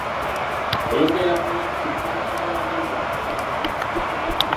Oyogerera mu bakiise b’olukiiko lw’abayizi mu Makerere